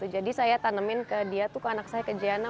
jadi saya tanamin ke dia ke anak saya ke jana